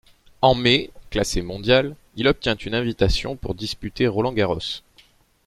En mai, classé mondial, il obtient une invitation pour disputer Roland-Garros.